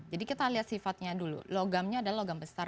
jadi kita lihat sifatnya dulu logamnya adalah logam besar